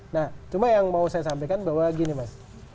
nah cuma yang mau saya sampaikan bahwa gini mas